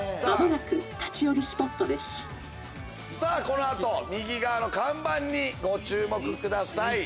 この後右側の看板にご注目ください。